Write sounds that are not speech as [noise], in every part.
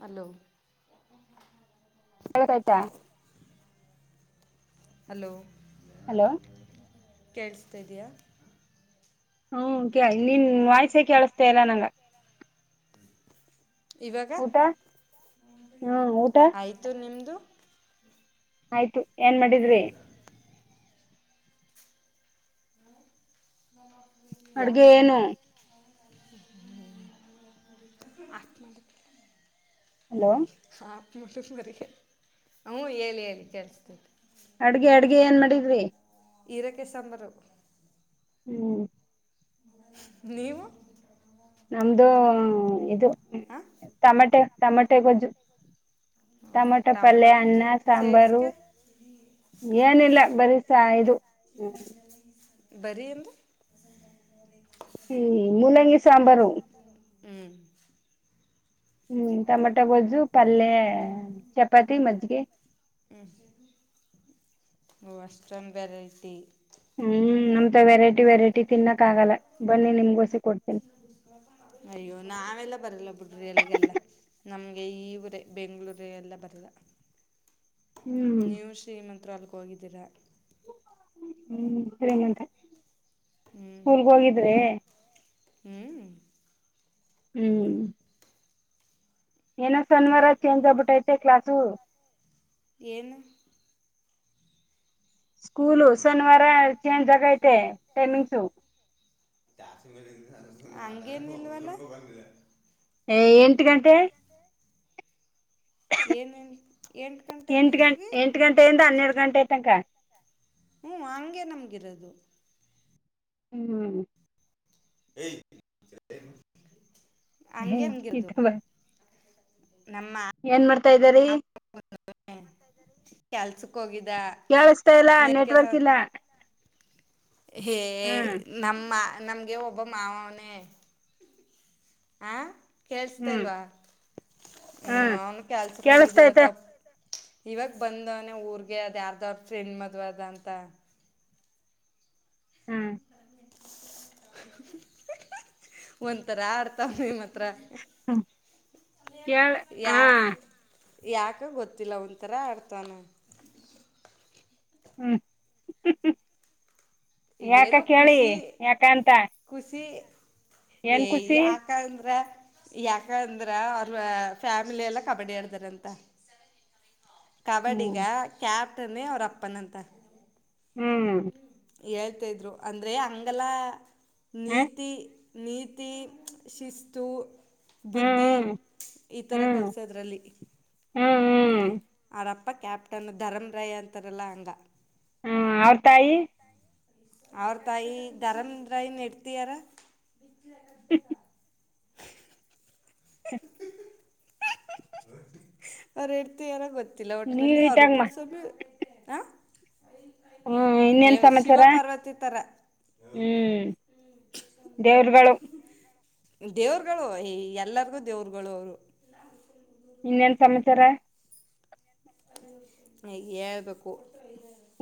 Hello ಎತಾ [unintelligible] hello hello ಕೇಳಿಸ್ತಾ ಇದೆಯಾ. ಹ್ಮ ಕೇ ನಿನ್ ವಾಯ್ಸ ಕೇಳಸ್ತ ಇಲ್ಲ ನಂಗ. ಇವಾಗ ಊಟ ಹ್ಮ್ ಊಟ ಆಯ್ತು ನಿಮ್ದು. ಆಯ್ತು ಏನ್ ಮಾಡಿದ್ರಿ. ಮೋಮೋಸ್ ಅಡುಗೆ ಏನು ಅ ಹಲೋ [unintelligible] ಹ್ಮ್ಮ್ ಹೇಳಿ ಹೇಳಿ ಕೇಳ್ಸತೈತೆ ಅಡ್ಗೆ ಅಡ್ಗೆ ಏನ್ ಮಾಡಿದ್ರಿ. ಹೀರೇಕಾಯಿ ಸಾಂಬಾರು. ಹ್ಮ್ ನೀವು ನಮ್ದು ಇದು ಹಾಂ ತಮಟ್ಯಾ ತಮಾಟ್ಯಾ ಗೊಜ್ಜು. ತಮಾಟ ಟೊಮೊಟೊ ಪಲ್ಯ ಅನ್ನ ಗೊಜ್ಜು ಸಾಂಬಾರು. ಸೈಡ್ಸ್ಗೆ ಏನಿಲ್ಲ ಬರಿ ಸಾ ಇದು ಹ್ಮ್ ಬರಿ ಅಂದ ಹ್ಮ್ ಮೂಲಂಗಿ ಸಾಂಬಾರು. ಹ್ಮ್ ಹ್ಮ್ ಟಮಟ ಗೊಜ್ಜು ಪಲ್ಯ ಚಪಾತಿ ಮಜ್ಜಿಗೆ. ಹ್ಮ್ ಓ ಅಷ್ಟೊಂದ್ ವೆರೈಟಿ ಹ್ಮ್ ನಮತವ ವೆರೈಟಿ ವೆರೈಟಿ ತಿನ್ನಕ್ ಆಗಲ್ಲ ಬನ್ನಿ ನಿಮ್ಗೋಸಿ ಕೊಡ್ತೀನಿ. ಅಯ್ಯೋ ನಾವೆಲ್ಲ ಬರಲ್ಲ ಬಿುಡ್ರಿ ಅಲ್ಲಿಗೆಲ್ಲ ನಮ್ಗೆ ಈವರಿ ಬೆಂಗ್ಗಳೂರು ಎಲ್ಲ ಬರಲ್ಲ. ಹ್ಮ್ ನೀವು ಶ್ರೀಮಂತೃ ಅಲಗ್ ಹೋಗಿದ್ದೀರಾ. ಹ್ಮ್ ಸರಿ ನಂತ ಸ್ಕೂಲ್ಗ ಹೋಗಿದ್ರೆ ಹ್ಮ್ ಹ್ಮ್ ಏನ ಶನಿವಾರ ಚೇಂಜ್ ಆಗ್ಬಿಟ್ಟೈತೆ ಕ್ಲಾಸು ಏನು ಸ್ಕೂಲು ಶನಿವಾರ ಚೇಂಜ ಆಗೈತೆ ಟೈಮಿಂಗ್ಸು. ಹಂಗೇನಿಲ್ವಲ್ಲ ಅಯ ಎಂಟ ಗಂಟೆ ಏನೇನ್ ಎಂಟು ಗಂಟೆಗೆ ಎಂಟ ಗಂ ಹೋಯ್ತೀವಿ ಎಂಟ ಗಂಟೆಯಿಂದ ಹನ್ನೆರಡ ಗಂಟೆ ತನಕ ಹ್ಮ ಹಂಗೆ ನಮ್ಗಿರೋದು. ಹ್ಮ್ [unintelligible] ಹಂಗೆ ಹ್ಮ್ ನಮಗಿರೋದು ಇತ [unintelligible] ನಮ್ಮ ತಾ ಇದ್ದ ರೀ ಚಲ್ ಚು ಕೇಳಿಸತಾ ಇಲ್ಲ ನೆಟ್ವರ್ಕ್ ಇಲ್ಲ ಹೇ ಹ್ಮ್ ನಮ್ಮ ನಮ್ಗೆ ಒಬ್ಬ ಮಾವವನೇ ಆ ಹ್ಮ್ ಕೇಳ್ಸ್ತೆಲ್ವಾ ಹ್ಮ್ ಅವನ್ ಕೆಲ್ಸಕ್ ಹೋಗಿದ್ದ ಇವ ಕೇಳಿಸತೈತೆ ತಪ್ಪ ಇವಾಗ ಬಂದವನ ಊರ್ಗೆ ಅದ್ ಯಾರ್ದವ್ರ ಫ್ರೆಂಡ್ ಮದ್ವೆ ಅದ ಅಂತ ಹ್ಮ್ ಒಂಥರ ಆರ್ತವಿ ಮತ್ತೆ ಕಳ್ ಹಾ ಯಾಕೆ ಗೊತ್ತಿಲ್ಲ ಒಂಥರ ಆಡ್ತಾನ ಹ್ಮ್ ಯಾಕ ಏನೋ ಕೇಳಿ ಖುಷಿ ಯಾಕ ಅಂತ ಖುಷಿ ಏನ್ ಏ ಖುಷಿ ಯಾಕ ಅಂದ್ರ ಯಾಕಂದ್ರ ಅವ್ರ ಫ್ಯಾಮಿಲಿ ಎಲ್ಲಾ ಕಬಡ್ಡಿ ಆಡ್ದಾರಂತ ಹ್ಮ್ ಕಬಡ್ಡಿಗ ಕ್ಯಾಪ್ಟನ್ ಅವ್ರ ಅಪ್ಪನ ಅಂತ ಹ್ಮ್ ಹೇಳ್ತಾಯ ಇದ್ರು ಅಂದರೆ ಅಂಗಲ ಹ ನೀತಿ ನೀತಿ ಶಿಸ್ತು ಹ್ಮ್ ಬುದ್ಧಿ ಹ್ಮ್ ಈ ಥರ ಹ್ಮ್ ಕಲಸೋದ್ರಲ್ಲಿ ಹ್ಮ್ ಹ್ಮ್ ಾರಪ್ಪ ಕ್ಯಾಪ್ಟನ್ ಧರಮ ರೈ ಅಂತಾರಲ್ಲ ಹಂಗ ಹಾಂ ಅವ್ರ ತಾಯಿ ಅವ್ರ ತಾಯಿ ಧರಮ ರಾಯನ್ ಹೆಂಡ್ತಿ ಯಾರಾ? [inaudible] ಹ [unintelligible] ಅವ್ರ ಹೆಂಡ್ತಿ ಯಾರ ಗೊತ್ತಿಲ್ಲ ಒಟ್ಟನಲ್ಲಿ ಅವರ ನೀಟಾಗಮ್ಮ ಪುಡ್ಸ ಹಾಂ ಹಂ ಇನ್ನೇನ್ ಸಮಾಚಾರ ಪಾರ್ವತಿ ಥರ ಹ್ಮ್ ದೇವ್ರುಗಳು ದೇವರಗಳು ಎಲ್ಲರಿಗೂ ದೇವರುಗಳು ಅವರು ಇನ್ನೇನ್ ಸಮಾಚಾರ ಹ ಹೇಳ್ಬೇಕು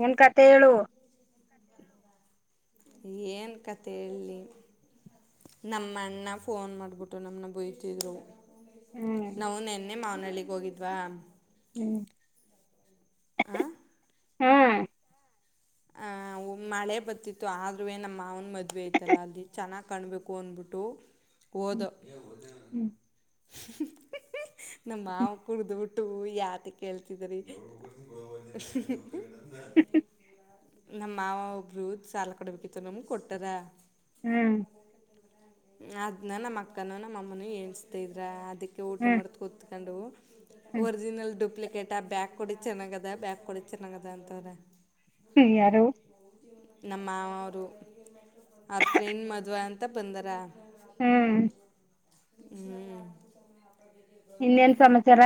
ನಿನ್ನ ಕತೆ ಹೇಳು ಏನ್ ಕತೆ ಹೇಳಲಿ? ನಮ್ಮ ಅಣ್ಣ ಫೋನ್ ಮಾಡ್ಬಿಟ್ಟು ನಮನ ಬಯ್ತಿದ್ರು. ಹ್ಮ್ ನಾವು ನೆನ್ನೆ ಮಾವನಹಳ್ಳಿಗ್ ಹೋಗಿದ್ವಾ! ಹ್ಮ್ ಆಂ ಹ್ಮಂ ಆ ಮಳೆ ಬರ್ತಿತ್ತು ಆದ್ರುವೆ ನಮ್ಮ್ ಮಾವನ್ ಮದ್ವೆ ಐತಲ್ಲ ಅಲ್ಲಿ ಚೆನ್ನಾಗ್ ಕಾಣಬೇಕು ಅಂದಬಿ ಫಟ್ಟೋ [unintelligible] ಹೋದ ಹ್ಮ್ ನಮ್ಮ ಮಾವ ಕುಡಿದ್ಬಿಟ್ಟು ಯಾತಕ ಕೇಳ್ತಿದ್ರಿ? ನಮ್ಮ ಮಾವ ಒಬ್ರು ಸಾಲ ಕೊಡ್ಬೇಕಿತ್ತು ನಮ್ಗೆ ಕೊಟ್ಟರ ಹ್ಮಂ ಅದ್ನ ನಮ್ಮ ಅಕ್ಕನು ನಮ್ಮಅಮ್ಮನೂ ಏನ್ಸ್ತಿದ್ರ ಅದಕ್ಕೆ ಊಟ ಹ್ಮ್ ಮಾಡ್ದ ಕುತ್ಕೊಂಡು, ಹ್ಮ್ ಒರಿಜಿನಲ್ ಡೂಪ್ಲಿಕೇಟ್ ಆ ಬ್ಯಾಗ್ ಕೊಡಿ ಚೆನ್ನಾಗ ಅದ ಬ್ಯಾಗ ಕೊಡಿ ಚೆನ್ನಾಗದ ಅಂತವ್ರ. ಹ್ಮಂ ಯಾರು ನಮ್ಮ ಮಾವವರು ಅವ್ರ ಫ್ರೆಂಡ್ ಮದುವೆ ಅಂತ ಬಂದಾರ. ಹ್ಮಂ ಹ್ಮ್ ಇನ್ನೇನ್ ಸಮಾಚಾರ?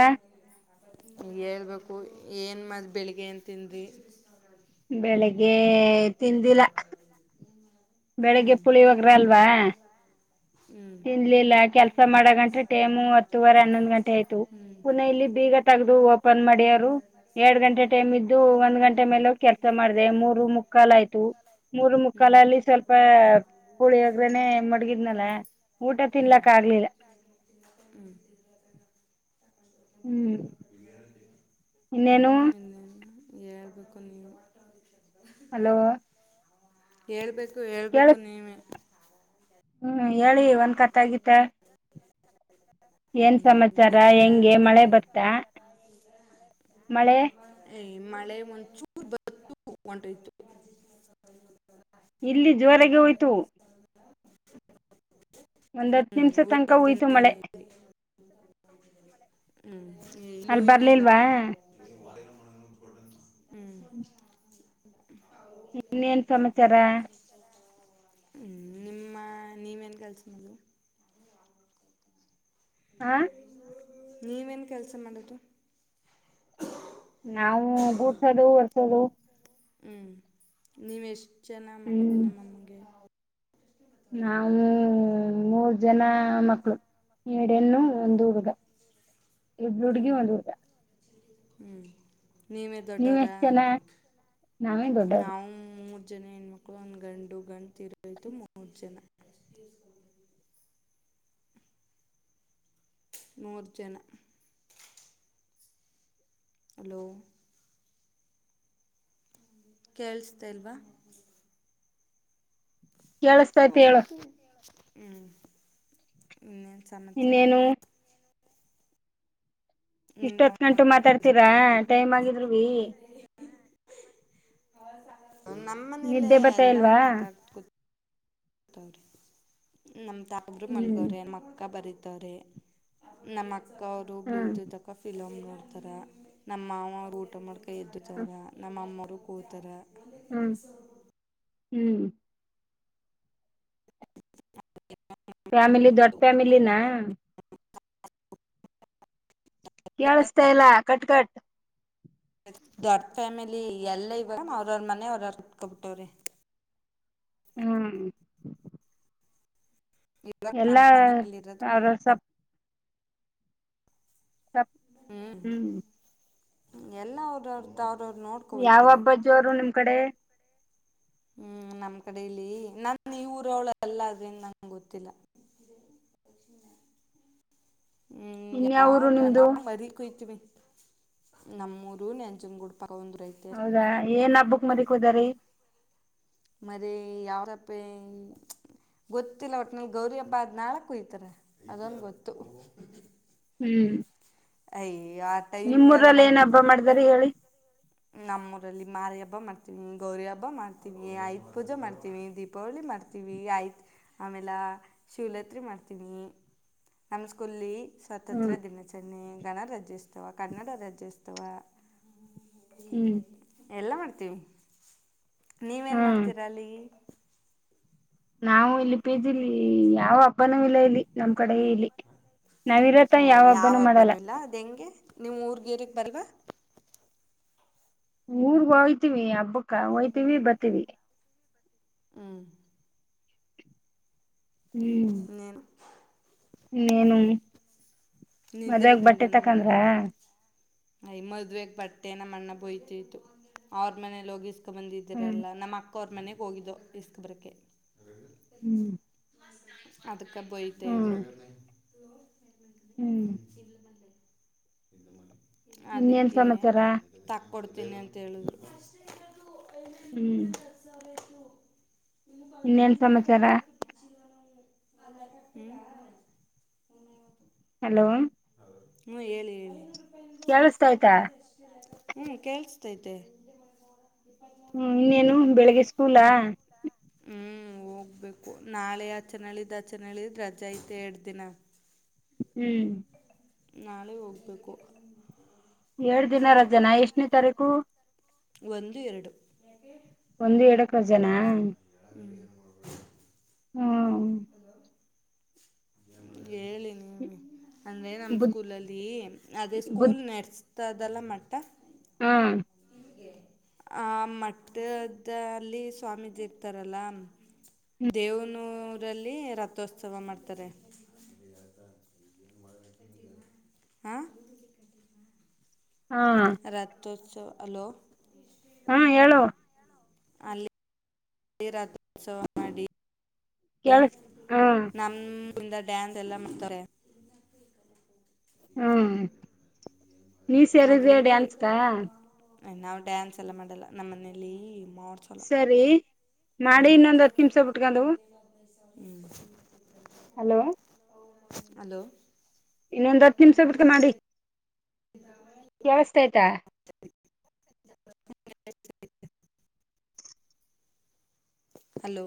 ಹೇಳ್ಬೇಕು ಏನು ಮತ ಬೆಳಿಗ್ಗೆ ಏನ ತಿಂದ್ರಿ? ಬೆಳಿಗ್ಗೆ ಎ ತಿಂದಿಲ್ಲ. ಹ್ಞೂ ಬೆಳಿಗ್ಗೆ ಪುಳಿಯೋಗರೆ ಅಲ್ವಾ? ಹ್ಞೂ ತಿನ್ಲಿಲ್ಲ ಕೆಲ್ಸ ಮಾಡೋಗಂಟ್ರೆ ಟೈಮು ಹತ್ತುವರೆ ಹನ್ನೊಂದ್ ಗಂಟೆ ಆಯ್ತು. ಹ್ಞೂ ಪುನಃ ಇಲ್ಲಿ ಬೀಗ ತಗ್ದು ಓಪನ್ ಮಾಡ್ಯಾರು ಎರಡ್ ಗಂಟೆ ಟೈಮ್ ಇದ್ದು ಒಂದ್ ಗಂಟೆ ಮೇಲ ಕೆಲ ಕಲಸಾ ಮಾಡದೆ ಮೂರು ಮುಕ್ಕಾಲ ಆಯ್ತು ಮೂರು ಹ್ಞೂ ಮುಕ್ಕಾಲಲ್ಲಿ ಸ್ವಲ್ಪ ಪುಳಿಯೋಗ್ರನೆ ಮಡಗಿದ್ನಲ್ಲ ಊಟ ಹ್ಞೂ ತಿನ್ಲಕ್ಕ ಆಗ್ಲಿಲ್ಲ. [inaudible] ಹ್ಮಂ ಇನ್ನೇನು? ಎಳ್ಬೇಕು ನೀವೆ. ಹಲೋ ಹೇಳ್ಬೇಕು ಹೇಳ್ಬೇಕು ಕೇಳಸ್ ನೀವೇ. ಹ್ಮ್ ಹೇಳಿ ಒಂದ್ ಕತೆಗಿತೆ. ಏನ್ ಸಮಾಚಾರ ನೀವೇ ಹೇಳಿ ಹೆಂಗೆ ಮಳೆ ನೋಡಿ ಬತ್ತಾ ಮಳೆ, ಈ ಮಳೆ ಒಂದ ಚೂರ್ ಬಂತು ಹೊಂಟ್ಟೈತು. ಇಲ್ಲಿ ಜೋರಾಗೆ ಹೋಯ್ತು. ಒಂದ್ ಹತ್ತ ಹ್ಮ್ ನಿಮಿಷ ತನಕ ಹೋಯ್ತು ಉಯ್ತಾನೆ ಮಳೆ. ಇಲ್ಲ ಹ್ಮ್ ಇಲ್ಲೂ ಅಲ್ಲ ಇನ್ನೂ ಬರ್ಲಿಲ್ವಾ? ಇಲ್ಲಪ್ಪ ಹ್ಮ್ ಇನ್ನೇನ್ ಸಮಾಚಾರ ಗಲ್ಸ್ನಲ್ಲಿ ಹಾ ಏನು ಕೆಲಸ ಮಾಡೋದು ನಾವು ಗುಡ್ಸೋದು ಹೊರ್ಸದು ನೀವು ಎಷ್ಟು ಜನ ಮಕ್ಕಳು ನಿಮ್ಮಮ್ಮಗೆ ನಾವ ಮೂರ್ ಜನ ಮಕ್ಕಳು ಎರಡ ಹೆಣ್ಣು ಒಂದು ಹುಡುಗ ಇಬ್ರು ಹುಡ್ಗಿ ಒಂದ್ ಹುಡಗ ಹ್ಮ್ ನೀವೇ ನೀವ್ ದೊಡ್ಡವ್ರ ಎಷ್ಟ್ ಜನ ನಾವೇ ದೊಡ್ಡವ್ರು ನಾವು ಜನ ಹೆಣ ಮಕ್ಳು ಒಂದ ಗಂಡು ಗಂಡು ತೀರೋಯ್ತು ಮೂರು ಜನ ಮೂರು ಜನ ಹಲೋ ಕೇೇಳಿಸ್ತಇಲ್ವಾ ಕೇಳಸ್ತೈತಿ ಹೇಳು ಹೋಗ್ತಿವಿ ಇನ್ನೇನು ಸಮಾಚಹಾರ ಇನ್ನೇನು ನಿಮ್ಮ ಇಷ್ಟೊತ್ ಗಂಟ ತಮ್ಮ ಮಾತಾಡ್ತೀರಾ ಟೈಮ್ ಆಗಿದರವಿ ನಮ್ಮ ಮನೇಲ್ಲ ಎಲ್ಲಾ ಮಾತಾಡ್ಕ ಹ್ಮು ನಮ್ ತಮರೂ ಹ್ಮ್ ಮಲ್ಗವ್ರೆನಮ್ಮ ಅಕ್ಕ ಬರೀತ್ ರೆ ನಮ್ಮ ಅಕ್ಕ ಅವರು ಹ್ಮ್ ಬ್ಲೂಟೂತ್ಕ್ಕ ಫಿಲಮ್ ತಾರ ನಮ್ಮ ಮಾವ ಅವರು ಊಟ ಮಾಡ್ಕ ಎದ್ದ ತಾರ ನಮ್ಮಮ್ಮರು ಕೂತಾರ ಹ್ಮ್ ಹ್ಮ್ ಫ್ಯಾಮಲಿ ದೊಡ್ಡ ಫ್ಯಾಮಲಿ ನ ಕೇಳಸ್ತಾ ಇಲ್ಲ ಕಟ್ ಕಟ್ ದ ಅರ್ದ ಫ್ಯಾಮಿಲಿ ಎಲ್ಲ ಇವ ಅವ್ರವ್ರ ಮನೆ ಅವ್ರ ಹತ್ಕೊಬಿಟ್ಟವ್ರಿ ಹ್ಮು ಇವಾಗ ನಮ್ಮ ಮನೆಯಲ್ಲಿ ಇರೋದು ಅವ್ರ ಅದ ಸಪ್ [inaudible] ಸ ಹ್ಮ್ ಹ್ಮು ಎಲ್ಲ ಅವ್ರ ಅವ್ರ್ದ ಯಾವ ಹಬ್ಬ ಜೋರು ನಿಮ್ ಕಡೆ ಹ್ಮ್ ನಮ್ ಕಡೆ ಇಲ್ಲಿ ನನ್ ಈ ಊರ ಅವಳ ಎಲ್ಲ ಅದನ್ ನಂಗೆ ಗೊತ್ತಿಲ್ಲ ಇ ದಕ್ಷಿನ ಹ್ಮ್ ಇನ್ಯಾವ ಊರು ಯಾವ್ದ ನಿಮ್ದು ನಾ ಮರಿ ಕೊಯ್ತಿವಿ ನಮ್ಮೂರು ನೆಂಜನಗೂಡ್ ನಾವುನು ಒಂದು ರೈತರಿ ಮರಿ ಕೋದ ರೀ ಮರಿ ಯಾವಾದಪ್ಪಿ [inaudible] ಗೊತ್ತಿಲ್ಲ ಒಟ್ನಲ್ಲಿ ಗೌರಿ ಹಬ್ಬ ಆದ್ ನಾಳೆ ಕೊಯ್ತಾರ ಅದೊಂದು ಗೊತ್ತು ಹ್ಮ್ ಅಯಿ ನಿಮ್ಮೂರಲ್ಲಿ ಏನ ಹಬ್ಬ ಮಾಡ್ದಾರ ಹೇಳಿ ನಮ್ಮ ಊರಲ್ಲಿ ಮಾರಿ ಹಬ್ಬ ಮಾಡ್ತೀವಿ ಗೌರಿ ಹಬ್ಬ ಮಾಡ್ತೀವಿ ಆಯುಧ ಪೂಜೆ ಮಾಡ್ತೀವಿ ದೀಪಾವಳಿಮಾಡ್ತೀವಿ ಮಾಡ್ತೀವಿ ಆಯ್ತ್ ಆಮೇಲೆ ಶಿವರಾತ್ರಿ ಮಾಡ್ತೀವಿ ನಮ ಸ್ಕೂಲ್ಲಿ ಹ್ಮ್ ಸ್ವಾತಂತ್ರ್ಯ ದಿನಚರಣೆ ಗಣರಾಜ್ಯೋತ್ಸವ ಕನ್ನಡ ರಾಜ್ಯೋತ್ಸವ ಹ್ಮ್ ಎಲ್ಲ ಮಾಡ್ತೀವಿ ನೀವೇನ್ ಹ್ಮ್ ಮಾಡ್ತೀರ ಅಲ್ಲಿ ನಾವು ಇಲ್ಲಿ ಪಿಜಿಲ್ಲಿ ಯಾವ ಹಬ್ಬನು ಇಲ್ಲ ಇಲ್ಲಿ ನಮ ಕಡೆ ಇಲ್ಲಿ ನಾವಿರತ ಓ ಯಾವ ಹಬ್ಬನುೂ ಹಬ್ಬನೂ ಮಾಡಲ್ಲ ಇಲ್ಲ ಅದ್ ಹೆಂಗೆ ನೀವು ಊರ್ಗೇರಿಕ್ಕೆ ಬರಲ್ವಾ ನಮೂರ್ಗ ಹೊಯ್ತಿವಿ ಹಬ್ಬಕ್ಕ ಹೋಯ್ತೀವಿ ಬರ್ತೀವಿ ಹ್ಮ್ ಹ್ಮ್ ಇನ್ನೇನು ಇನ್ನೇನು ನಿದ್ದೆ ಮದ್ವೆಗ ಬಟ್ಟೆ ತಕಂದ್ರ ಯ ಮದ್ವೆಗ್ ಬಟ್ಟೆನ ಅಣ್ಣ ಬೋಯ್ತತ್ತು ಅವ್ರ ಮನೇಲಿಗಿಸ ಇಸ್ಕ ಹ್ಮ್ ಬಂದಿದ್ದರಲ್ಲ ನಮ್ಮ ಅಕ್ಕ ಅವ್ರ ಮನೆಗ್ ಹೋಗಿದ್ದೋ ಇಸ್ಕ ಬರಕ್ಕೆೆ ಹ್ಮ್ ಹ್ಮ್ ಅದಕ್ಕೆಬಯತೆದ್ರು ಇ ಮಾಡ ಹ್ಮ್ [inaudible] ಇನ್ನೇನ್ ಅದಕ್ಕೆ ಸಮಾಚಾರ ತಕ್ಕೊಡ್ತೀನಿ ಅಂತೇಳಿದರು ಹ್ಮ್ ಇನ್ನು ಪೂರು ಇನ್ನೇನ್ ರೂಪಾಯ ಸಮಾಚಾರ ಕಟ್ಟ [inaudible] [inaudible] ಹಲೋ ಹ್ಮ್ ಹೇಳಿ ಹೇಳಿ ಕೇಳಸ್ತಾ ಆಯ್ತಾ ಹ್ಞೂ ಕೇಳಿಸ್ತೈತೆ ಹ್ಮ್ ಇನ್ನೇನು ಬೆಳಿಗ್ಗೆ ಸ್ಕೂಲಾ ಹ್ಮ್ ಹೋಗ್ಬೇಕು ನಾಳೆ ಆಚೆನಳಿದ ಆಚನಳ್ಳಿದ ರಜೆ ಐತೆ ಎರಡು ದಿನ ಹ್ಮ್ ನಾಳೆ ಹೋಗ್ಬೇಕು ಎರದಿನ ದಿನ ರಜೆನಾ ಎಷ್ಟನೇ ತಾರೀಕು ಒಂದು ಎರಡು ಒಂದು ಎಡಕ ಜನ ಹ್ಮ ಹೇಳಿ ನೀ ಅಂದ್ರೆ ನಮ್ಮ ಬುದ್ ಸ್ಕೂಲಲ್ಲಿ ಅದೇ ಬುದ್ ಸ್ಕೂಲ್ ನರ್ಸ್ ತದಲ ಮಟ್ಟ ಹ್ಮ್ ಆ [unintelligible] ಸ್ವಾಮೀಜಿ ಇರ್ತಾರಲ್ಲ ದೇವನೂರಲ್ಲಿ ರಥೋತ್ಸವ ಮಾಡ್ತಾರೆ. ಹಾ ಹಾ ರಥೋಸ್ಥವ ಹಲೋ. ಹಾ ಹೇಳು. ಅಲ್ಲಿ ರಥೋತ್ಸವ ಮಾಡಿ [inaudible] ಕೇಳಸ್ ಹಾ [unintelligible] ಡ್ಯಾನ್ಸ್ ಎಲ್ಲ ಮಾಡ್ತಾರೆ ಹ್ಮ ನೀ ಸರದ್ಯ ಅದರಿಂದ ಡ್ಯಾನ್ಸ್ಕ ನಾವು ಡ್ಯಾನ್ಸ್ ಎಲ್ಲ ಮಾಡಲ್ಲ ನಮ್ಮ ಮನೇಲಿ. ಮಾಡ್ಸಲ್ಲ ಸರಿ ಮಾಡಿ ಇನ್ನೊಂದ್ ಹತ್ ನಿಮಿಷ ಬಿಟ್ಕೊಂಡು ಹ್ಮ್ ಹಲೋ ಹಲೋ ಇನ್ನೊಂದ್ ಹತ್ತು ನಿಮಿಷ ಬಿಟ್ಕ ಮಾಡಿ ಕೆಳ್ಥೈತ [inaudible] ಹಲೋ